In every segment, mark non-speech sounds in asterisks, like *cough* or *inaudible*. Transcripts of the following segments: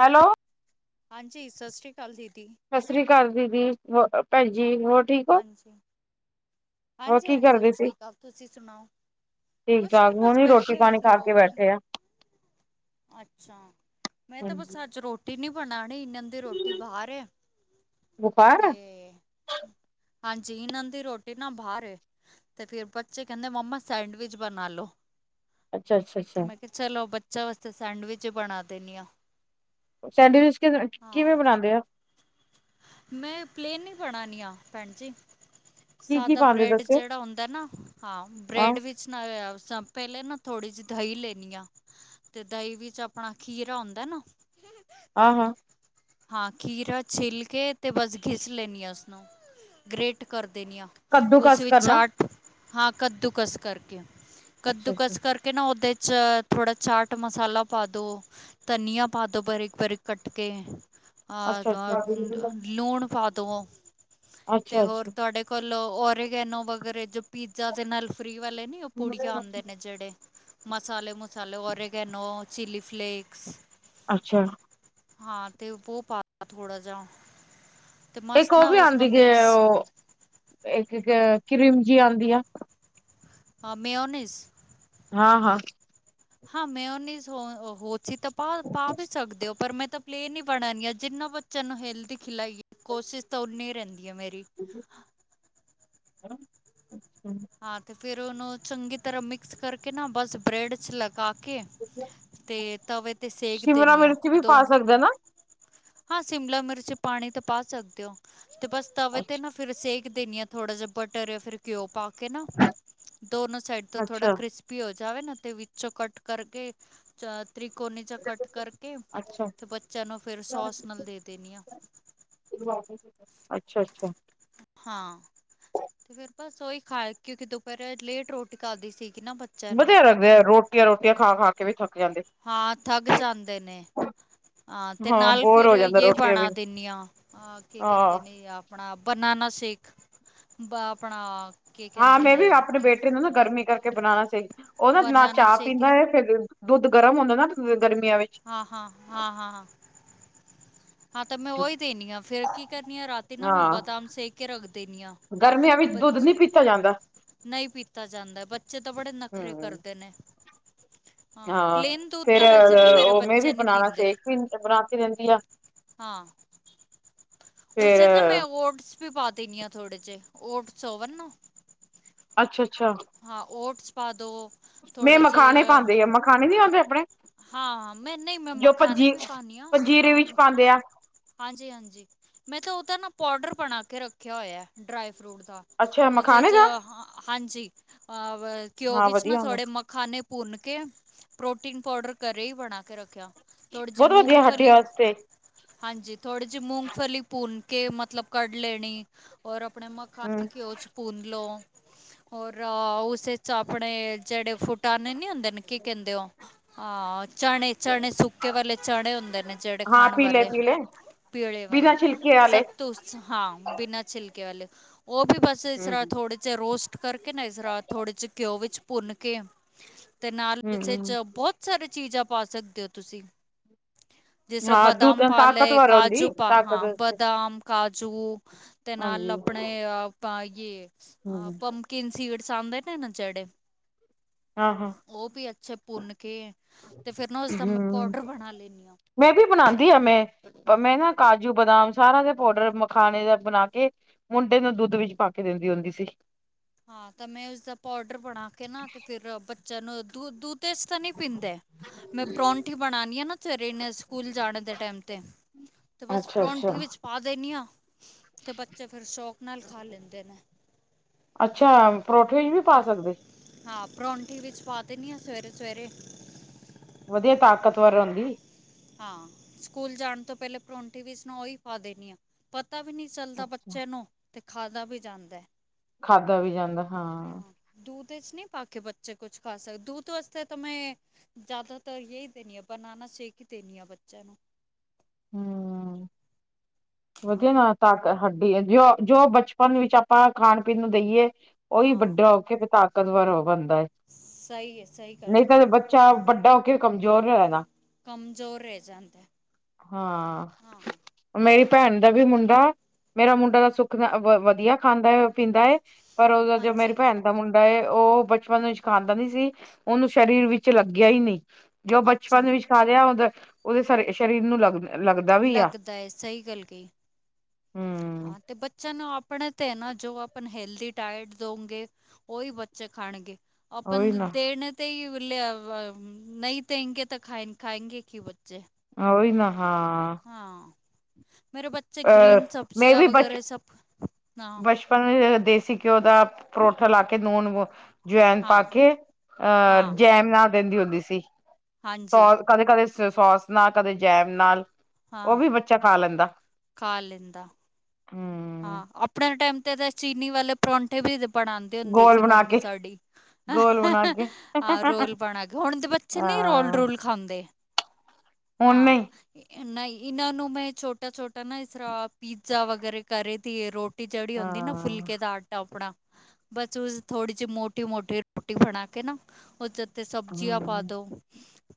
Hello ਹਾਂਜੀ ਸਤਿ ਸ਼੍ਰੀ ਅਕਾਲ ਦੀਦੀ ਸਤਿ ਸ੍ਰੀ ਅਕਾਲ ਦੀਦੀ ਹੋ ਭੈਣਜੀ ਹੋਰ ਠੀਕ ਹੋ ਹਾਂਜੀ ਹੋਰ ਕੀ ਹਾਂਜੀ-ਹਾਂਜੀ ਕਰਦੇ ਸੀ ਠੀਕ ਆ ਤੁਸੀਂ ਸੁਨਾਓ ਠੀਕ ਠਾਕ, ਹੁਨੀ ਰੋਟੀ ਪਾਨੀ ਖਾ ਕੇ ਰੋਟੀ ਬੈਠੇ ਆਂ। ਅੱਛਾ, ਮੈਂ ਤਾਂ ਬਸ ਹਾਂਜੀ ਅੱਜ ਰੋ ਰੋਟੀ ਨੀ ਬਨਾਨੀ ਏਨਾਂ ਦੀ ਰੋਟੀ ਬਾਰ ਐ, ਬੁਖਾਰ ਤੇ ਆ ਹਾਂਜੀ ਏਨਾਂ ਦੀ ਰੋ ਟੀ ਨਾ ਬਾਹਰ ਐ, ਤੇ ਫੇਰ ਬੱਚੇ ਕੈਂਦੇ ਮੰਮਾ ਸੈਂਡਵਿਚ ਬਨਾ ਲੋ। ਅੱਛਾ-ਅੱਛਾ-ਅੱਛਾ। ਕੀ ਚਲੋ ਬੱਚਿਆਂ ਵਾਸਤੇ ਸੈਂਡਵਿਚ ਬਨਾ ਦੇਨੀ ਆਂ। ਸੈਂਡਵਿਚ ਕਿਵੇਂ-ਕਿਵੇਂ ਬਨਾਂਦੇ ਓਂ। ਮੈਂ ਪਲੇਨ ਈ ਬਨਾਨੀ ਆ ਭੈਨਜੀ। ਕੀ ਕੀ ਸਾਦਾ ਪਾਉਂਦੇ ਬ੍ਰੈਡ ਦੱਸਿਓ ਜੇੜਾ ਹੁੰਦਾ ਨਾ, ਹਾਂ ਬ੍ਰੈਡ ਵਿੱਚ *unintelligible* ਪੈਲੇ ਨਾ ਥੋੜੀ ਜੀ ਦਈ ਲੈਨੀ ਆ ਤੇ ਦਈ ਵਿੱਚ ਆਪਨਾ ਖੀਰਾ ਹੋਂਦਾ ਨਾ ਆਹਾਂ। ਹਾਂ ਖੀਰਾ ਛਿੱਲ ਕੇ ਤੇ ਬਸ ਘਿਸ ਲੈਂਨੀ ਆਂ ਉਸਨੂੰ। ਗ੍ਰੇਟ ਕਰ ਦੇਨੀ ਆਂ। ਕੱਦੂ ਉਸ ਕਸ ਵਿੱਚ ਕਰਨਾ ਚਾਟ ਹਾਂ ਕੱਦੂ ਕਸ ਕਰਕੇ, ਅੱਛਾ ਕੱਦੂ ਅੱਛਾ ਕਸ ਕਰ ਕੇ ਨਾ ਓਦੇ ਚ ਥੋੜਾ ਚਾਟ ਮਸਾਲਾ ਪਾ ਦੋ। ਧਨੀਆ ਪਾ ਦੋ ਬਰੀਕ-ਬਰੀਕ ਕੱਟ ਕੇ। ਅੱਛਾ ਆਜ ਆ ਅੱਛਾ ਲੂਨ ਪਾ ਦਵੋ, ਤੇ ਅੱਛਾ ਹੋਰ ਅੱਛਾ ਤੁਆਡੇ ਵੱਲੋਂ ਓਰਗੈਨੋ ਵਗੈਰਾ ਜੋ ਪੀਜ਼ਾ ਦੇ ਨਾਲ ਫਰੀ ਵਾਲੇ ਨੀ ਓ ਪੁੜੀਆਂ ਆਂਦੇ ਨੇ ਜੇੜੇ, ਮਸਾਲੇ ਮੂਸਾਲੇ ਔਰਗੈਨੋ ਚਿਲੀ ਫਲੇੇਕਸ ਅੱਛਾ। ਹਾਂ ਤੇ ਬੋ ਪਾ ਦੋ ਥੋੜਾ ਜਾ। ਤੇ ਇੱਕ ਮਸਤ ਓ ਨਾ ਵੀ ਉਸ ਨਾਲ ਆਂਦੀ ਜੇ, ਮਿਕਸ ਓ ਇੱਕ ਕ ਕਰੀਮ ਜੀ ਆਂਦੀ ਐ। ਹਾਂ, ਮੇਓਨਿਸ ਹਾਂ-ਹਾਂ। ਹਾਂ ਮਿਓਨਿਸ ਹੋ ਓਹੋ ਤੁਸੀਂ ਤਾਂ ਪਾ-ਪਾ ਵੀ ਸਕਦੇ ਓਂ, ਪਰ ਮੈਂ ਤਾਂ ਪਲੇਨ ਈ ਬਨਨਗੀਆਂ ਜਿੰਨਾਂ ਬੱਚਿਆਂ ਨੂੰ ਹੈਲਦੀ ਖਿਲਾਈਏ ਕੋਸ਼ਿਸ਼ ਤਾਂ ਓਨੀ ਈ ਰੈਂਦੀ ਐ ਮੇਰੀ। *inaudible* ਹਾਂ ਤੇ ਫੇਰ ਓਨੂੰ ਚੰਗੀ ਤਰਾਂ ਮਿਕਸ ਕਰਕੇ ਨਾ ਬਸ ਬਰੈਡ ਚ ਲਗਾ ਕੇ ਤੇ ਤਵੇ ਤੇ ਸੇਕ ਸ਼ਿਮਲਾ ਦੇਨੀ ਆ ਮਿਰਚ ਵੀ ਪਾ ਦੋਨੋ ਸਕਦਾ ਨਾ ਹਾਂ ਸ਼ਿਮਲਾ ਮਿਰਚ ਪਾਨੀ ਏ ਤੇ ਪਾ ਸਕਦੇ ਓਂ, ਤੇ ਬਸ ਤਵੇ ਤੇ ਅੱਛਾ ਨਾ ਫਿਰ ਸੇਕ ਦੇਨੀ ਆ ਥੋੜਾ ਜਾ ਬਟਰ ਫਿਰ ਘਿਓ ਪਾ ਕੇ ਨਾ, ਦੋਨੋ ਸਾਈਡ ਤਾਂ ਥੋੜਾ ਅੱਛਾ ਕ੍ਰਿਸਪੀ ਹੋ ਜਾਵੇ ਨਾ ਤੇ ਵਿੱਚੋਂ ਕੱਟ ਕਰਕੇ ਚਾ ਤ੍ਰਿਕੋਨੀ ਚ ਕੱਟ ਕਰਕੇ, ਅੱਛਾ। ਤੇ ਬੱਚਿਆਂ ਨੂੰ ਫਿਰ ਸੌਸ ਨਾਲ ਦੇ ਦੇਨੀ ਆਂ। ਅੱਛਾ-ਅੱਛਾ। ਹਾਂ ਤੇ ਫਿਰ ਬਸ ਓਈ ਖਾ ਆਏ, ਕਿਓਂਕਿ ਦੁਪੈਰੇ ਲੇਟ ਰੋਟੀ ਖਾਦੀ ਸੀਗੀ ਨਾ ਬੱ ਵਦੀਆ ਲੱਗਦੇ ਆ, ਰੋਟੀਆਂ-ਰੋਟੀਆਂ ਖਾ-ਖਾ ਕੇ ਵੀ ਥੱਕ ਜਾਂਦੇ। ਹਾਂ ਥੱਗ ਜਾਂਦੇ ਨੇ। ਹਾਂ ਤੇ ਨਾਲ ਬੋਰ ਫਿਰ ਹੋ ਜਾਂਦਾ ਯੇ ਰੋਟੀਆਂ ਵੀ। ਬਨਾ ਦਿੰਨੀ ਆਂ, ਆਕੇ ਕੈਂਦੇ ਹਾਂ-ਹਾਂ ਨੇ ਏ ਆਪ ਆਪਨਾ ਬਨਾਨਾ ਸੇਖ, ਬ ਆਪਨਾ ਹਾਂ ਮੈਂ ਵੀ ਆਪਨੇ ਬੇਟੇ ਨੂੰ ਨਾ ਗਰਮੀ ਕਰਕੇ ਬਨਾਨਾ ਸੇਕ ਦੇ, ਓ ਤਾ ਨਾ ਬਨਾਨਾ ਚਾ ਸ਼ੇਕ ਪੀਂਦਾ ਏ ਫੇਰ ਦੁੱਦ-ਦੁੱਦ ਗਰਮ ਹੁੰਦਾ ਨਾ ਗਰਮੀਆਂ ਵਿੱਚ ਹਾਂ-ਹਾਂ-ਹਾਂ-ਹਾਂ-ਹਾਂ। ਹਾਂ ਤੇ ਮੈਂ ਓਹੀ ਦੇਨਿਆਂ, ਫੇਰ ਕੀ ਕਰਨੀ ਆ ਰਾਤੀ ਨਾ ਮੈਂ ਹਾਂ ਬਾਦਾਮ ਸੇ ਕੇ ਰੱਖ ਦੇਨਿਆਂ। ਗਰਮੀਆਂ ਵਿੱਚ ਦੁੱਧ ਨੀ ਪੀਤਾ ਜਾਂਦ ਨਈਂ, ਪੀਤਾ ਜਾਂਦਾ ਬੱਚੇ ਤਾਂ ਬੜੇ ਨਖਰੇ ਹੂੰ ਕਰਦੇ ਨੇ। ਹਾਂ, ਪਲੇਨ ਦੁਧ ਤਾਂ ਵੈਸੇ ਵੀ ਮੇਰੇ ਬੱਚੇ ਨੀਂ ਪੀਂਦੇ। ਬਨਾਤੀ ਰੇਂਦੀ ਆ। ਹਾਂ। ਉਸ ਫੇਰ ਚ ਨਾ ਮੈਂ ਓਟਸ ਵੀ ਪਾ ਦੇਣੀ ਆਂ ਥੋੜੇ ਜੇ, ਓਟਸ ਹੋਵਣ ਨਾ। ਅੱਛਾ-ਅੱਛਾ। ਹਾਂ, ਓਟਸ ਪਾਦੋ। ਮੈਂ ਮਖਾਣੇ ਪਾਂਦੀ ਆ, ਮਖਾਣੇ ਨੀਂ ਆਂਦੇ ਅਪਨੇ। ਹਾਂ, ਮੈਂ ਨਈਂ ਮੈਂ ਮੱਖਾਨੇ ਵੀ ਪਾਨੀ ਆਂ, ਪੰਜੀਰੇ ਹਾਂ। ਵਿੱਚ ਪਾਂਦੇ ਆ। ਹਾਂਜੀ-ਹਾਂਜੀ, ਮੈਂ ਤਾਂ ਓਦਾ ਨਾ ਪੋਡਰ ਬਣਾ ਕੇ ਰੱਖਿਆ ਹੋਯਾ, ਡਰਾਈ ਫਰੂਟ ਦਾ। ਅੱਛਾ ਉਦੇ ਮਖਾਣੇ ਚ ਦਾ ਹਾਂਜੀ, ਅਹ ਘਿਓ ਹਾਂ ਵਿੱਚ ਨਾ ਵਧੀਆ ਹੁੰਦਾ ਥੋੜੇ ਮ ਖਾਣੇ ਭੁੰਨ ਕੇ, ਪ੍ਰੋਟੀਨ ਪਾਊਡਰ ਕਰੇ ਈ ਬਣਾ ਕੇ ਰੱਖਿਆ। ਥੋੜੀ ਜੀ, ਬਹੁਤ ਵਧੀਆ ਹੱਡੀਆਂ ਮੂੰਗਫਲੀ ਵਾਸਤੇ ਹਾਂਜੀ, ਥੋੜ੍ਹੀ ਜੀ ਮੂੰਗਫਲੀ ਭੁੰਨ ਕੇ ਮਤਲਬ ਕੱਢ ਲੈਣੀ, ਔਰ ਅਪਣੇ ਮ ਖਾਣੇ ਹੂੰ ਘਿਓ ਚ ਭੁੰਨ ਲਓ, ਔਰ ਉਸੇ ਚ ਆਪਣੇ ਜੇੜੇ ਫੁਟਾਣੇ ਨੀਂ ਹੁੰਦੇ ਨੇ ਕੀ ਕੈਂਦੇ ਓ, ਹਾਂ ਚਣੇ ਚਣੇ ਸੁੱਕੇ ਵਾਲੇ ਚਣੇ ਹੁੰਦੇ ਨੇ ਜੇੜੇ ਹਾਂ ਖਾਣ ਪੀਲੇ ਵਾਲੇ ਪੀਲੇ ਪੀਲੇ ਵਾਲੇ, ਬਿਨਾਂ ਛਿਲਕੇ ਵਾਲੇ ਸਤ ਹਾਂ, ਬਿਨਾਂ ਛਿਲਕੇ ਵਾਲੇ ਓ ਵੀ ਬਸ ਇਸ ਹੂੰ ਤਰ੍ਹਾਂ ਥੋੜੇ ਰੋਸਟ ਕਰਕੇ ਨਾ ਏਸਰਾ ਥੋੜੇ ਜੇ ਘਿਓ ਵਿੱਚ ਭੁੰਨ ਕੇ ਤੇ ਨਾਲ ਹੂੰ ਉਸੇ ਹੂੰ ਚ ਬੋਤ ਸਾਰੀ ਚੀਜ਼ਾਂ ਪਾ ਸਕਦੇ ਓ ਤੁਸੀਂ ਜਿਸਰਾਂ ਹਾਂ ਦੁੱਧ ਬਦਾਮ ਪਾ ਲਏ, ਤਾਕਤਵਰ ਕਾਜੂ ਹੁੰਦੀ ਪਾ ਤਾਕਤ ਹਾਂ, ਬਦਾਮ ਕਾਜੂ ਤੇ ਨਾਲ ਹਾਂਜੀ ਅਪਣੇ ਯੇ ਹੂੰ ਪਮ ਕਿਨ ਸੀਦਸ ਆਂਦੇ ਨੇ ਨਾ ਜੇੜੇ, ਹਾਂ ਹਾਂ ਓ ਵੀ ਅੱਛੇ ਭੁੰਨ ਕੇ ਤੇ ਫੇਰ ਨਾ ਓਸਦਾ ਮੈਂ ਹੂੰ ਪਾਊਡਰ ਬਣਾ ਲੈਂਨੀਂ ਆਂ। ਮੈਂ ਵੀ ਬਨਾਦੀ ਆ ਮੈਂ ਮੈਂ ਨਾ ਕਾਜੂ, ਬਦਾਮ ਸਾਰਾ ਦੇ ਪਾਊਡਰ ਮਖਾਣੇ ਦਾ ਬਨਾ ਕੇ ਮੁੰਡੇ ਨੂੰ ਦੁੱਧ ਵਿੱਚ ਪਾ ਕੇ ਦੇਂਦੀ ਹੁੰਦੀ ਸੀ। ਹਾਂ, ਤਾਂ ਮੈਂ ਈਸਦਾ ਪਾਊਡਰ ਬਣਾ ਕੇ ਨਾ ਤੇ ਫੇਰ ਬੱਚਿਆਂ ਨੂੰ ਦ ਦੁੱਧ ਚ ਤਾਂ ਨਈਂ ਪੀਂਦੇ ਮੈਂ ਪਰੌਠੀ ਬਣਾਣੀ ਆ ਨਾ ਸਵੇਰੇ ਸਕੂਲ ਜਾਣ ਦੇ ਟਾਈਮ ਤੇ ਤੇ ਬਸ ਅੱਛਾ ਅੱਛਾ ਪਰੋਂਂਠੀ ਵਿੱਚ ਪਾ ਦੇਨਿਆਂ, ਤੇ ਬੱਚੇ ਫੇਰ ਸ਼ੌਂਕ ਨਾਲ ਖਾ ਲੈਂਦੇ ਨੇ। ਅੱਛਾ, ਪਰੋਠੇ ਵੀ ਪਾ ਸਕਦੇ? ਹਾਂ, ਪਰੌਂਠੀ ਵਿੱਚ ਪਾ ਦੇਣੀ ਹਾਂ ਸਵੇਰੇ-ਸਵੇਰੇ। ਵਧੀਆ ਤਾਕਤਵਰ ਓਂਦੀ ਹਾਂ, ਸਕੂਲ ਜਾਣ ਤੋਂ ਪੈਲੇ ਪਰੌਂਠੇ ਵਿੱਚ ਉਹੀ ਪਾ ਦੇਣੀ ਆ। ਪਤਾ ਵੀ ਨੀ ਚੱਲਦਾ ਅੱਛਾ ਬੱਚੇ ਨੂੰ, ਤੇ ਖਾਦਾ ਵੀ ਜਾਂਦਾ। ਖਾਦਾ ਵੀ ਜਾਂਦਾ, ਹਾਂ। ਦੂਦ ਚ ਨਈਂ ਪਾ ਕੇ ਬੱਚੇ ਕੁਛ ਖਾ ਸਕਦੇ, ਦੂਦ ਵਾਸਤੇ ਤਾਂ ਮੈਂ ਜਾਦਾਤਰ ਏ ਦੇਣੀ ਆ ਬਨਾਨਾ ਸ਼ੇਕ ਈਂ ਦੇਣੀ ਆ ਬੱਚਿਆਂ ਨੂੰ। ਹੁੰ। ਹਾਂ ਵਧੀਆ ਨਾ ਤਾਕ ਹੱਡੀ ਜੋ ਜੋ ਬਚਪਨ ਵਿੱਚ ਆਪਾਂ ਖਾਣ-ਪੀਣ ਨੂੰ ਦੇਈਏ ਉਹੀ ਹਾਂ ਵੱਡਾ ਹੋ ਕੇ ਫੇ ਤਾਕਤਵਰ ਹੋ ਬਣਦਾਏ। ਸਈ ਏ ਸਈ। ਨਈ ਤਾਂ ਫੇ ਬੱਚਾ ਵੱਡਾ ਹੋ ਕੇ ਕਮਜ਼ੋਰ ਨਾ ਰੈਣਾ। ਕਮਜ਼ੋਰ ਰਹਿ ਜਾਂਦਾ। ਹਾਂ। ਮੇਰੀ ਭੈਣ ਦਾ ਵੀ ਮੁੰਡਾ, ਮੇਰਾ ਮੁੰਡਾ ਦਾ ਸੁੱਖ ਨਾ ਵਧੀਆ ਖਾਂਦਾ। ਪੀਂਦਾ ਏ, ਪਰ ਉਦੋਂ ਜੋ ਮੇਰੀ ਹਾਂਜੀ ਭੈਣ ਦਾ ਮੁੰਡਾ ਉਹ ਬਚਪਨ ਵਿਚ ਖਾਂਦਾ ਨੀ ਸੀ, ਉਹਨੂੰ ਸਰੀਰ ਵਿੱਚ ਲੱਗਿਆ ਹੀ ਨਹੀਂ। ਜੋ ਬਚਪਨ ਅੱਛਾ ਵਿੱਚ ਖਾ ਲਿਆ ਉਹਦਾ, ਉਹਦੇ ਸਰੀਰ ਨੂੰ ਲੱਗ ਲੱਗਦਾ ਵੀ ਆ। ਸਹੀ ਗੱਲ ਕਹੀ, ਹਮ ਹਾਂ ਤੇ ਬੱਚਿਆਂ ਨੂੰ ਆਪ ਆਪਣੇ ਤੇ ਏ ਨਾ, ਜੋ ਆਪਾਂ ਹੈਲਦੀ ਡਾਇਟ ਦਓਗੇ, ਓਹੀ ਬੱਚੇ ਖਾਣਗੇ। ਅਪਾਂ ਉਹੀ ਨਾ ਦੇਨ ਨਹੀਂ ਦੇਂਗੇ ਤਾਂ ਖਾਏਂਗੇੇ ਕੀ ਬੱਚੇ। ਹੋਹੀ ਨਾ, ਹਾਂ। ਹਾਂ, ਮੇਰੇ ਬੱਚੇ ਅਹ ਗ੍ਰੀਨ ਮੈਂ ਸਬਜ਼ੀਆਂ ਵਗੈਰਾ ਸਭ, ਨਾ। ਆਪਾਂ ਨੂੰ ਦੇਸੀ ਘਿਓ ਦਾ ਪਰੋਠਾ ਲਾ ਕੇ ਜਵੈਨ ਹਾਂ ਪਾ ਕੇ, ਅਹ ਹਾਂ ਜੈਮ ਨਾਲ ਦਿੰਦੀ ਹੁੰਦੀ ਸੀ। ਹਾਂਜੀ ਕਦੇ ਕਦੇ ਸੋਸ ਨਾਲ, ਕਦੇ ਜੈਮ ਨਾਲ, ਉਹ ਹਾਂ ਵੀ ਬੱਚਾ ਖਾ ਲੈਂਦਾ। ਖਾ ਲੈਂਦਾ। ਹਮ। ਹਾਂ, ਆਪਣੇ ਟਾਈਮ ਤੇ ਤਾਂ, ਚੀਨੀ ਵਾਲੇ ਪਰੌਂਠੇ ਵੀ ਬਣਾਉਂਦੇ ਹੁੰਦੇ ਗੋਲ ਸੀ ਬਣਾ ਮੰਮੀ ਕੇ ਸਾਡੀ। ਗੋਲ ਬਣਾ ਕੇ ਆਹ ਰੋਲ ਬਣਾਗੇ, ਹੁਣ ਦੇ ਬੱਚੇ ਨਹੀਂ ਰੋਲ ਹਾਂ ਰੂਲ ਖਾਉਂਦੇ। ਹੁਣ ਨਹੀਂ ਹਾਂ, ਨਾ, ਇਹਨਾਂ ਨੂੰ ਮੈਂ ਛੋਟਾ ਛੋਟਾ ਨਾ ਇਸ ਤਰ੍ਹਾਂ ਪੀਜ਼ਾ ਵਗੈਰਾ, ਕਰੇ ਦੀ ਰੋਟੀ ਜਿਹੜੀ ਹੁੰਦੀ ਨਾ ਹਾਂ ਫੁਲਕੇ ਦਾ ਆਟਾ ਆਪਣਾ ਬਸ ਉਸ ਥੋੜੀ ਜਿਹੀ ਮੋਟੀ ਮੋਟੀ ਰੋਟੀ ਬਣਾ ਕੇ ਨਾ, ਉਹਚ ਤੇ ਸਬਜ਼ੀਆਂ ਪਾ ਹੂੰ। ਦਿਉ,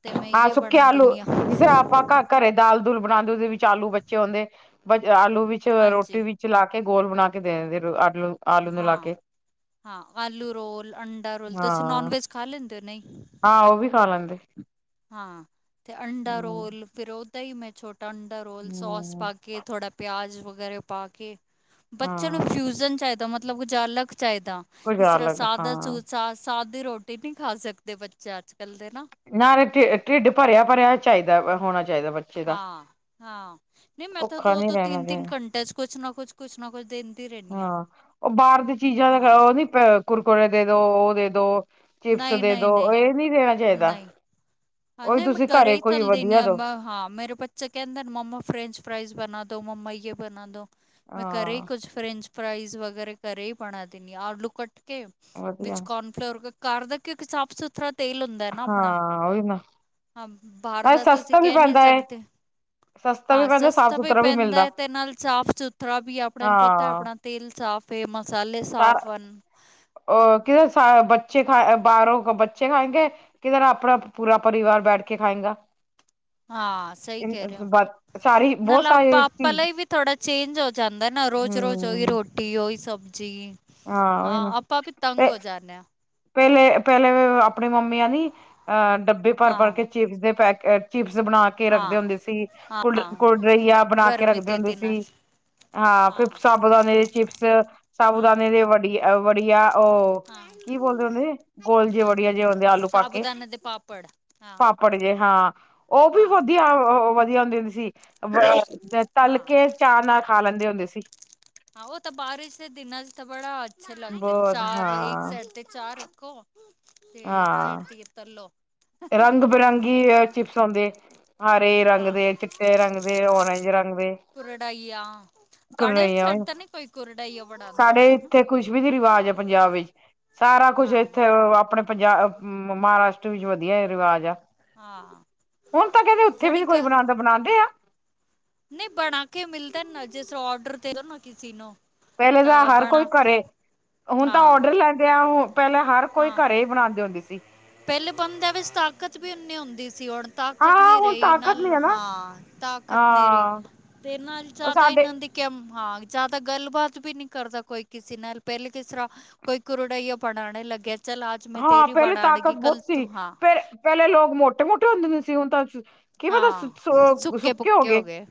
ਤੇ ਮੈਂ ਇਏ ਬਣਾ ਦਿੰਦੀ ਹਾਂ। ਜਿਸਰ ਆਪਾਂ ਘਰੇ ਦਾਲ ਦੁਲ ਬਣਾਉਂਦੇ, ਉਹਦੇ ਵਿੱਚ ਆਲੂ ਬੱਚੇ ਆਉਂਦੇ, ਆਲੂ ਵਿੱਚ ਹਾਂਜੀ ਰੋਟੀ ਵਿੱਚ ਚਲਾ ਕੇ, ਗੋਲ ਬਣਾ ਕੇ ਦੇ ਆਲੂ ਆਲੂ ਨੂੰ ਲਾ ਹਾਂ, ਕੇ ਹਾਂ ਆਲੂ ਰੋਲ, ਅੰਡਾ ਰੋਲ, ਤੁਸੀਂ ਹਾਂ। ਨੋਨ ਵੈਜ ਖਾ ਲੈਂਦੇ ਹੋ ਨਹੀਂ‍? ਹਾਂ, ਉਹ ਵੀ ਖਾ ਲੈਂਦੇ। ਹਾਂ ਤੇ ਅੰਡਾ ਰੋਲ, ਫਿਰ ਉਹਦਾ ਹੀ ਮੈਂ ਛੋਟਾ ਅੰਡਾ ਰੋਲ, ਸੋਸ ਹੂੰ-ਹੂੰ। ਪਾ ਕੇ, ਥੋੜਾ ਪਿਆਜ ਵਗੈਰਾ ਪਾ ਕੇ, ਬੱਚਿਆਂ ਨੂੰ ਹਾਂ ਫਿਊਜਨ ਚਾਹੀਦਾ ਮਤਲਬ ਮਤਲਬ ਕੁਝ ਅਲੱਗ ਚਾਹੀਦਾ, ਕੁਝ ਇਸ ਤਰ੍ਹਾਂ ਅਲੱਗ ਸਾਦਾ ਹਾਂ ਸੁ‍ ਸਾਦੀ ਰੋਟੀ ਨਹੀਂ ਖਾ ਸਕਦੇ ਬੱਚੇ, ਅੱਜ ਕੱਲ੍ਹ ਦੇ ਨਾ। ਨਾਲੇ ਢਿੱਡ ਭਰਿਆ ਭਰਿਆ ਚਾਹੀਦਾ, ਹੋਣਾ ਚਾਹੀਦਾ ਬੱਚਿਆ ਹਾਂ ਹਾਂ, ਨਹੀਂ ਮੈਂ ਤਾਂ ਭੁੱਖਾ ਦੋ ਨੀ ਦੋ ਰਹਿਣਾ ਤਿੰਨ-ਤਿੰਨ ਚਾਹੀਦਾ ਘੰਟੇ 'ਚ ਕੁਛ ਨਾ ਕੁਛ ਕੁਛ ਨਾ ਕੁਛ ਦੇਂਦੀ ਰਹਿੰਦੀ। ਹਾਂ, ਉਹ ਬਾਹਰ ਦੀ ਚੀਜ਼ਾਂ ਦਾ ਹਾਂ ਉਹ ਨੀ ਕੁਰਕੁੁਰੇ ਦੇ ਦੋ, ਉਹ ਦੇ ਦੋ ਚਿਪਸ ਨਹੀਂ ਦੇ ਨਹੀਂ ਦੋ, ਇਹ ਨਹੀਂ ਦੇਣਾ ਚਾਹੀਦਾ। ਹਾ, ਉਹੀ ਨੀ ਮੈਂ ਤੁਸੀਂ ਘਰੇ ਹੀ ਕੋਈ ਤੱਲਦੇਣੀ ਵਧੀਆ ਆਂ। ਦੋ ਹਾਂ ਮੇਰੇ ਬੱਚ ਕਹਿੰਦਾ ਮੰਮਾ ਫਰੈਂਚ ਫਰਾਾਈਜ਼ ਬਣਾ ਦੋ, ਮੰਮਾ ਇਹਏ ਬਣਾਉ ਦਉ, ਮੈਂ ਘਰੇ ਹੀ ਹਾਂ ਕੁਛ ਫਰੈਂਚ ਫਰਾਾਈਜ਼ ਵਗੈਰਾ ਘਰੇ ਹੀ ਬਣਾ ਦੇਣੀ, ਆਲੂ ਕੱਟ ਕੇ ਵਧੀਆ ਵਿੱਚ ਕੋ ਫਰ, ਘਰ ਕਿੳਕਿ ਸਾਫ ਸੁਥਰਾ ਤੇਲ ਹੁੰਦਾ ਹੈ ਨਾ ਆਪਣਾ ਹਾਂ, ਓਹੀ ਨਾ। ਹਾਂ, ਬਾਹਰ ਨਾਲੇ ਦਾ ਤੁਸੀਂ ਸਸਤਾ ਵੀ ਕਹਿ ਨਹੀਂ ਪੈਂਦਾ ਹੈ। ਸਕਦੇ। ਸਸਤਾ ਵੀ ਹਾਂ, ਪੈਂਦਾ ਸਾਫ਼ ਸਸਤਾ ਵੀ ਸੁਥਰਾ ਪੈਂਦਾ ਮਿਲਦਾ ਹੈ ਤੇ ਨਾਲ ਸਾਫ਼ ਸੁਥਰਾ ਵੀ, ਆਪਣੇ ਨੂੰ ਪਤਾ ਹਾਂ ਆਪਣਾ ਤੇਲ ਸਾਫੇ, ਮਸਾਲੇ ਸਾਫ ਹਨ। ਉਹ ਕਿ ਬੱਚੇ ਖਾ, ਬਾਹਰੋਂ ਬੱਚੇ ਖਾਏਗੇ। ਕਿਦੇ ਨਾਲ ਅਪਣਾ ਪੂਰਾ ਪਰਿਵਾਰ ਬੈਠ ਕੇ ਖਾਏਂਗਾ? ਹਾਂ ਸਹੀ ਕੈ ਰਏ ੳ। ਸਾਰੀ ਬਹੁਤ ਨਾਲਾ ਸਾਰੇ ਪਾ ਚੀਜ਼ ਪਲੀ ਵੀ ਥੋੜਾ ਚੇਂਜ ਹੋ ਜਾਂਦਾ ਏ ਨਾ ਰੋਜ- ਰੋਜ ੳਈ ਹਮ ਰੋਟੀ, ੳਈ ਸਬਜ਼ੀ। ਹਾਂ ਆਪਾਂ ਵੀ ਤੰਗ ਹੋ ਜਾਨੇ ਆ। ਪੈਲੇ ਪੈਲੇ ਅਪਣੀ ਮੰਮੀਆਂ ਨੀ ਅਹ ਡੱਬੇ ਭਰ-ਭਰ ਕੇ ਹਾਂ ਚਿਪਸ ਦੇ ਪੈਕੇਟ, ਚਿਪਸ ਬਨਾ ਕੇ ਰੱਖਦੇ ਹੁੰਦੇ ਸੀ, ਹਾਂ ਕੁਲ ਹਾਂ ਕੋਲਡਿ੍ਕਂਸ ਬਨਾ ਕੇ ਗਰਮੀ ਰੱਖਦੇ ਦੇ ਹੁੰਦੇ ਦਿਨਾਂ ਚ ਸੀ। ਹਾਂ ਫੇਰ ਸਾਬੂ ਦਾਨੇ ਦੇ ਚਿਪਸ ਸਾਬੂ ਹਾਂ ਦਾਨੇ ਦੇ ਵੜ ਵੜੀਆ ੳਹ ਹਾਂ ਕੀ ਬੋਲਦੇ ਹੁੰਦੇ ਨੇ, ਗੋਲ ਜੇ ਵੜੀਆ ਜਿਆ ਹੁੰਦਿਆਂ ਆਲੂ ਪਾ ਕੇ ਸਾਬੂਦਾਨੇ ਦੇ ਪਾਪੜ ਹਾਂ ਪਾਪੜ ਜੇ ਹਾਂ, ੳਹ ਵੀ ਹਾਂ ਵਧੀਆ ਵਧੀਆ ਹੁੰਦੀ ਸੀ। ਤਲ ਹਾਂ ਕੇ ਚਾਅ ਨਾਲ ਖਾ ਲੈਂਦੇ ਹੁੰਦੇ ਸੀ। ਹਾਂ, ੳਹ ਤਾ ਬਾਰਿਸ਼ ਦੇ ਦਿਨਾਂ ਚ ਤਾ ਬੜਾ ਅੱਛਾ ਲੱਗਦੇ ਨੇ। ਬਹੁਤ ਚਾਅ, ਇੱਕ ਹਾਂ ਸਾਈਡ ਤੇ ਚਾਅ ਰੱਖੋ ਤੇ ਏਕ ਸਾਈਡ ਤੀ ਏ ਤਲੋੋ। ਰੰਗ-ਬਿਰੰਗੀ ਅ ਚਿਪਸ ਔਂਦੇ। ਹਰੇ ਰੰਗ ਹਾਂ ਦੇ, ਚਿੱਟੇ ਰੰਗ ਦੇ, ਔਰਂਜ ਰੰਗ ਦੇ। ਹਾਂ, ਤੁਹਾਡੇ ੳਸ ਸਾਇਡ ਤਾਂ ਨੀ ਕੋਈ ਕੁਰਡਾਈ ਏ ਬਨਾਦਾਂ ਸਾਡੇ ਹੋਨਾ? ਇੱਥੇ ਕੁਛ ਵੀ ਨੀ ਰਿਵਾਜ ਐ ਪੰਜਾਬ ਵਿੱਚ, ਸਾਰਾ ਕੁੱਛ ਹਾਂ ਏਥੇ ੳ ਅਪਣੇ ਪੰਜਾਬ ਮਹਾਰਾਸ਼ਟ ਵਿੱਚ ਵਧੀਆ ਰਿਵਾਜ ਆ ਹਾਂ ਹੁਨ ਤਾਂ ਕੈਂਦੇ ਉੱਥੇ ਵੀ ਸਾਡੇ ਨੀ ਕੋਈ ਬਨਾਂਦਾ। ਬਨਾਂਦੇ ਆ? ਨਈ ਬਨਾ ਕੇ ਮਿਲਦਾ ਨਾ, ਜਿਸਰਾ ਔਡਰ ਦੇਦੋ ਨਾ ਕਿਸੇ ਨੂੰ। ਪੈਲੇ ਤਾਂ ਹਰ ਕੋਈ ਬਣਾ ਕੇ ਘਰੇ ਹੁਨ ਤਾਂ ਹਾਂ ਔਡਰ ਲੈਨ ਡਏ ਆ। ਹੁ ਪੈਲਾਂ ਹਰ ਕੋਈ ਘਰੇ ਈ ਬਨਾਦੇ ਹੁੰਦੇ ਸੀ। ਪੈਲੇ ਬੰਦੇਆਂ ਵਿੱਚ ਤਾਕਤ ਵੀ ਉਨੀ ਹੁੰਦੀ ਸੀ, ਹੁਨ ਤਾਕਤ ਹਾਂ ਨੀ ਹੁਣ ਰਈ ਤਾਕਤ ਨੀ ਨਾਲ ਹੈ ਨਾ ਹਾਂ, ਤਾਕਤ ਨੀ ਰਈ ਹਾਂ ਤੇ ਨਾਲ ਉਹ ਜਾਦਾ ਸਾਡੇ ਏਨਾਂ ਦੀ ਕੇ ਹਾਂ ਜਾਦਾ ਗੱਲਬਾਤ ਵੀ ਨੀ ਕਰਦਾ ਕੋਈ ਕਿਸੇ ਨਾਲ, ਪੈਲੇ ਕਿਸਰਾਂ ਕੋਈ ਕੁਰੜਆ ਬੜਾਨੇ ਲੱਗੇਆ ਚਲ ਆਜ ਮੈਂ ਤੇਰੀ ਬੜਾਨੇ ਤਦ ਬੋਤ ਸੀ ਤੇ ਪੈਲੇ ਲੋਕ ਮੋਟੇ-ਮੋਟੇ ਹੁੰਦਦੇ ਸੀ, ਹੁਨ ਤਾਂ ਕੀ ਪਤਾ ਹਾਂ, ਸੁੱਕੇ-ਪੁੱਕੇ ਹੋ ਗਏ।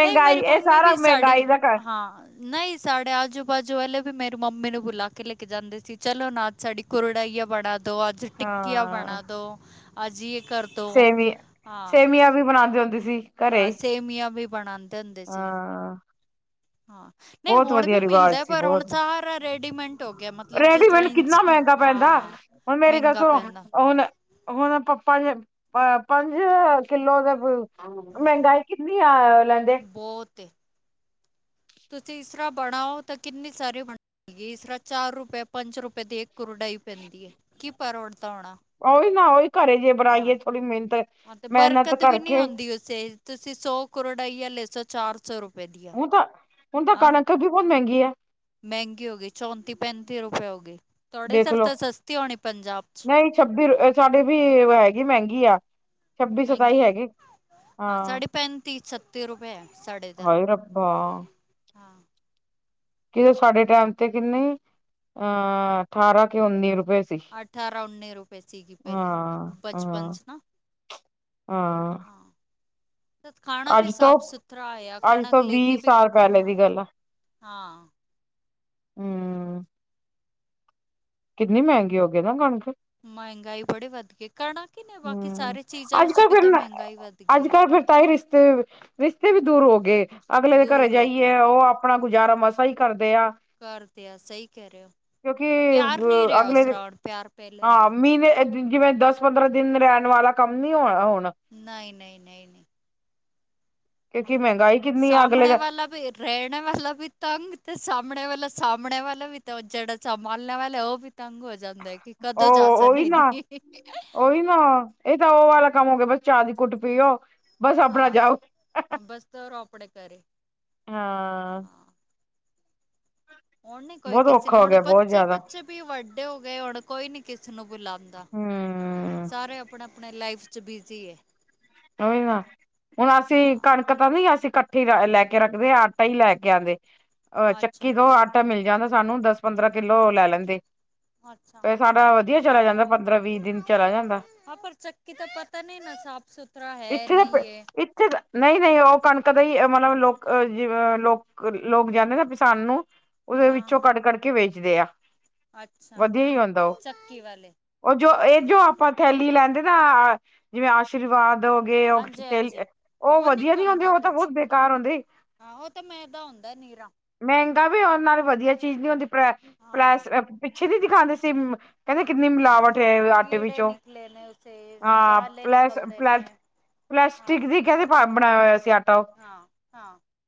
ਨਈ ਮੇਰੀ ਇਹ ਮੰਮੀ ਸਾਰਾ ਵੀ ਸਾੜੀ ਮਹਿੰਗਾਈ ਦਾ ਘਰ ਹਾਂ ਨਈ ਸਾੜੇ ਆਜੂ-ਬਾਜੂ ਵਾਲੇ ਵੀ ਮੇਰੀ ਮੰਮੀ ਨੂੰ ਬੁਲਾ ਕੇ ਲੈ ਕੇ ਜਾਂਦੇ ਸੀ, ਚਲੋ ਨਾ ਸਾਡੀ ਕੁੁਰੜਾਈਆ ਬਨਾ ਦੋ, ਅੱਜ ਟਿੱਕੀਆਂ ਹਾਂ ਬਨਾ ਦੋ, ਅੱਜ ਯੇ ਕਰ ਸੇਵੀ ਸੇਵੀਆਂ ਵੀ ਬਨਾਦੀ ਹੁੰਦੀ ਸੀ। ਘਰੇ ਹਾਂ, ਸੇਮੀਆਂ ਵੀ ਬਨਾਨ ਹਾਂ ਹਾਂ, ਨਈ ਬਹੁਤ ਹੁਨ ਵਧੀਆ ਵੀ ਰਿਵਾਜ਼ ਮਿਲਦਾ, ਸੀ ਪਰ ਹੁਨ ਬਹੁਤ ਸਾਰਾ ਰੈਡੀਮੈਂਟ ਹੋ ਗਿਆ, ਮਤਲਬ ਜਿਸਰਾਂ ਇੰਸਟਾ, ਹਾਂ। ਹੁਨ ਮੇਰੀ ਗੱਲ ਮਹਿੰਗਾ ਸੁਨੋ, ਪੈਂਦਾ ਹੁਨ ਹੁਣ ਆਪਾਂ ਪੰਜ ਪੰਜ ਕਿੱਲੋ ਦੇ ਮਹੰਗਾਈ ਕਿੰਨੀ ਆ ਲੈਂਦੇ ਬੋਤ ਏ। ਤੁਸੀ ਇਸਰਾਂ ਬਨਾਓ ਤਾਂ ਕਿੰਨੀ ਸਾਰੀ ਬਨ ਜੀਸਰਾਂ ਚਾਰ ਰੁਪਏ, ਪੰਜ ਰੁਪਏ ਦੀ ਇੱਕ ਕੁਰੜਾਈ ਪੈਂਦੀ ਏ, ਕੀ ਪਰੋੜਤਾ ਹੋਨਾ? ਓਹੀ ਨਾ, ੳਹੀ ਘਰੇ ਜੇ ਬਨਾਈਏ ਥੋੜੀ ਮੇਨਤ, ਮੇਹਨਤ ਕਰਕੇ ਯੇ਼ ਤੁਸੀ ਸੌ ਕਰੋੜਈਆ ਲੇ ਸੋ, ਚਾਰ ਸੌ ਰੁਪੇ ਹੁਨ ਤਾਂ, ਹੁਨ ਤਾਂ ਕਨਕ ਵੀ ਬੋਤ ਮੇੰਗੀ ਏ। ਮੈੰਗੀ ਹੋ ਗਈ, ਚੌਂਤੀ -ਪੈਂਤੀ ਰੁਪਏ ਹੋ ਗਈ। ਤੁਹਾਡੇ ੳਧਰ ਤਾਂ ਸਸਤੀ ਹੋਨੀ ਪੰਜਾਬ ਚ ਇਹੀ ਛੱਬੀ ਰੁ ਸਾਡੇ ਵੀ ਹੈਗੀ ਮੈੰਗੀ ਆ। ਛੱਬੀ ਸਤਾਈ ਮਹਿੰਗੀ ਹੈ। ਹੈਗੀ ਹਾਂ, ਸਾਡੀੇ ਪੈਂਤੀ-ਛੱਤੀ ਰੁਪਏ ਸਾਡੇ ਦਾ। ਹਾਂ। ਹਾਂ ਕਿਤੇ ਸਾਡੇ ਟਾਈਮ ਤੇ ਕਿੰਨੇ ਅਹ, ਅਠਾਰਾਂ ਕਿ ਉੱਨੀ ਰੁਪਏ। ਸੀ ਅਠਾਰਾਂ-ਉਨੀ ਰੁਪਏ ਸੀਗੀ ਪਹਿਲੇ, ਹਾਂ ਪਚਪਨ ਹਾਂ ਸੀ' ਨਾ। ਹਾਂ। ਤਥ ਖਾਣਾ ਵੀ ਅੱਜ ਤੋਂ ਸਾਫ਼ ਸੁਥਰਾ ਆਇਆ। ਅੱਜ ਕਣਕ ਤੋਂ ਲੈ ਕੇ ਵੀਹ ਵੀ ਸਾਲ ਪਹਿਲੇ ਹਾਂ ਦੀ ਗੱਲ ਆ। -ਹਾਂ। ਹੂ। ਕਿੰਨੀ ਮਹਿੰਗੀ ਹੋ ਗਏ ਨਾ ਕਣਕ। ਮਹਿੰਗਾਈ ਬੜੇ ਵੱਧ ਗਏ। ਕਰਣ ਕੀ ਨੇ ਬਾਕੀ ਹੂੰ। ਸਾਰੇ ਚੀਜ਼ਾਂ ਵਿੱਚ ਵੀ ਤਾਂ ਮਹਿੰਗਾਈ ਵੱਧ ਗਈ ਏ। ਤਾਂਹੀ, ਰਿਸ਼ਤੇ ਰਿਸ਼ਤੇ ਵੀ ਦੂਰ ਹੋ ਗਏ। ਹੈ। ਅਗਲੇ ਦੇ ਘਰੇ ਦੂਰ ਹੋ ਕੇ ਜਾਈਏ, ਉਹ ਆਪਣਾ ਗੁਜ਼ਾਰਾ ਮਸਾ ਹੀ ਕਰਦੇ ਆ। ਕਰਦੇ ਆ, ਸਹੀ ਕਹਿ ਰਹਿਓ। ਕਿਉਂਕਿ ਅਗਲੇ ਦੇ ਪਿਆਰ ਪਹਿਲੇ ਹਾਂ ਵਾਲਾ ਮੀ ਦੇ ਜਿਵੇਂ ਦਸ ਪੰਦਰਾਂ ਦਿਨ ਰਹਿਣ ਵਾਲਾ ਕੰਮ ਨੀ ਹੋਣਾ ਹੋਣਾ। ਨਹੀਂ, ਨਹੀਂ, ਨਹੀਂ, ਨਹੀਂ। ਕਿਉਂਕਿ ਹਾਂ ਮਹਿੰਗਾਈ ਕਿੰਨੀ ਆ ਅਗਲੇ ਸਾਹਮਣੇ ਦਾ ਵਾਲਾ ਵੀ ਰਹਿਣੇ ਵਾਲਾ ਵੀ ਤੰਗ ਤੇ ਸਾਹਮਣੇ ਵਾਲਾ ਸਾਹਮਣੇ ਵਾਲਾ ਵੀ ਤਾਂ ਜਿਹੜਾ ਸੰਭਾਲਣੇ ਵਾਲਾ ਉਹ ਵੀ। ਤੰਗ ਹੋ ਜਾਂਦਾ ਹੈ ਕਿ ਕਦੋਂ ਜਾਸਨ ਇ ਕੋਈ ਨਾ ਇਹ ਤਾਂ ਉਹ ਵਾਲਾ ਕੰਮ ਹੋ ਗਿਆ ਬਸ ਚਾਹ ਦੀ ਘੁਟ ਪੀਓ ਬਸ ਆਪਣਾ ਹਾਂ ਜਾਓ ਹਾਂ, ਬਸ ਤਾਂ ਆਪਣੇ ਘਰੇ ਹਾਂ। ਹੁਣ ਨੀ ਕੋਈ ਬਹੁਤ ਕਿਸ ਸੀ ਔਖਾ ਹੋ ਨੋਟ ਗਿਆ ਬਹੁਤ ਬੱਚੇ ਜ਼ਿਆਦਾ। ਕੁੱਛ ਵੀ ਵੱਡੇ ਹੋ ਗਏ ਹੁਣ ਕੋਈ ਨੀ ਕਿਸੇ ਨੂੰ ਬੁਲਾਉਂਦਾ। ਹਮ ਸਾਰੇ ਆਪਣੇ, ਆਪਣੇ ਲਾਈਫ ਚ ਬਿਜ਼ੀ ਏ। ਨਾ ਹੁਣ ਅਸੀਂ ਹਾਂ ਕਣ ਪਤਾ ਨਹੀਂ ਅਸੀਂ ਇਕੱਠੀ ਲੈ ਕੇ ਰੱਖਦੇ ਆ ਆਟਾ ਹੀ ਲੈ ਕੇ ਆਉਂਦੇ ਅਹ ਚੱਕੀ ਅੱਛਾ ਤੋਂ ਆਟਾ ਮਿਲ ਜਾਂਦਾ ਸਾਨੂੰ ਦਸ ਪੰਦਰਾਂ ਕਿੱਲੋ ਲੈ ਲੈਂਦੇ। ਅੱਛਾ ਸਾਡਾ ਵਧੀਆ ਚਲਾ ਜਾਂਦਾ ਪੰਦਰਾਂ ਵੀਹ ਦਿਨ ਚਲਾ ਜਾਂਦਾ। ਹਾਂ ਪਰ ਚੱਕ ਕਿ ਤਾਂ ਪਤਾ ਨੀ ਨਾ ਸਾਫ਼ ਸੁਥਰ ਇੱਥੇ ਤਾਂ ਇੱਥੇ ਨਹੀਂ ਨਹੀਂ ਉਹ ਕਣਕ ਦਾ ਹੀ ਮਤਲਬ ਲੋਕ ਜਿ ਲੋਕ ਜਾਂਦੇ ਤਾਂ ਕਿਸਾਨ ਨੂੰ ਉਹਦੇ ਵਿੱਚੋਂ ਹਾਂ ਕੱਢ, ਕੱਢ ਕੇ ਵੇਚਦੇ ਆ। ਅੱਛਾ ਵਧੀਆ ਹੀ ਹੁੰਦਾ ਉਹ ਚੱਕੀ ਵਾਲੇ। ਉਹ ਜੋ ਇਹ ਜੋ ਆਪਾਂ ਥੈਲੀ ਲੈਂਦੇ ਨਾ ਜਿਵੇਂ ਆਸ਼ੀਰਵਾਦ ਗਏ ਉਹ ਹਾਂਜੀ ਤੇ ਹਾਂਜੀ ਉਹ ਨਹੀਂ ਵਧੀਆ ਨੀ ਕੰਮ ਹੁੰਦੇ ਦਾ ਉਹ ਤਾਂ ਕੁਛ ਬਹੁਤ ਬੇਕਾਰ ਹੁੰਦੇ। ਹਾਂ ਉਹ ਤਾਂ ਮੈਂਦਾ ਹੁੰਦਾ ਨੀਰਾ। ਮਹਿੰਗਾ ਵੀ ਉਨਾ ਨਾਲੇ ਵਧੀਆ ਚੀਜ਼ ਨੀ ਹੁੰਦੀ। ਹਾਂ ਪੈਸ ਪਿੱਛੇ ਨਹੀਂ ਦਿਖਾਉਂਦੇ ਸੀ ਕਹਿੰਦੇ ਕਿੰਨੀ ਮਿਲਾਵਟ ਹੈ ਆਟੇ ਵਿੱਚੋਂ। ਤੇ ਹਾਂ ਜਾਲ ਲੇ ਨਿਕਲ। ਪਲੈਸ ਪਲਾਸਟਿਕ ਦੀ ਕਹਿੰਦੇ ਪਾ ਬਣਾਇਆ ਹੋਇਆ ਸੀ ਆਟਾ ਉਹ। ਹਾਂ, ਹਾਂ।